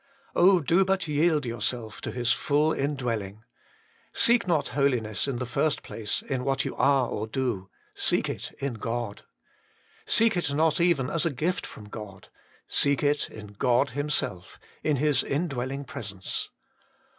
Oh, do but yield yourself to His full indwelling ! seek not holiness in the first place in what you are or do ; seek it in God. Seek it not even as a gift from God, seek it in God Himself, in His indwelling Presence.